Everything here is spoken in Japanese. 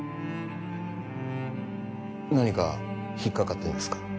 何か引っかかってんですか？